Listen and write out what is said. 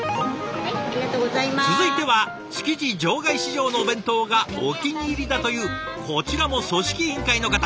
続いては築地場外市場のお弁当がお気に入りだというこちらも組織委員会の方。